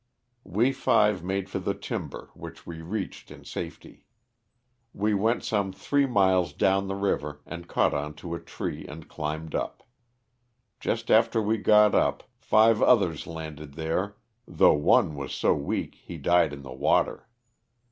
We five made for the timber, which we reached in safety. We went some three miles down the river and caught on to a tree and climbed up. Just after we got up five others landed there, though one was so weak he died in the water.